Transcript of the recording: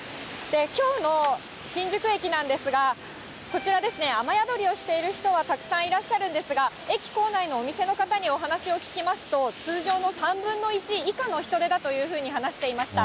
きょうの新宿駅なんですが、こちらですね、雨宿りをしている人はたくさんいらっしゃるんですが、駅構内のお店の方にお話を聞きますと、通常の３分の１以下の人出だというふうに話していました。